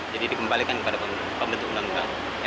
jadi dikembalikan kepada pembentuk undang undang